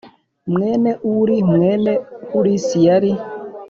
mwene Uri mwene Huris yari